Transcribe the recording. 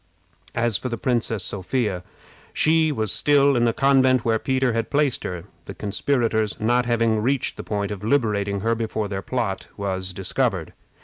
As for the Princess Sophia, she was still in the convent where Peter had placed her, the conspirators not having reached the point of liberating her before their plot was discovered.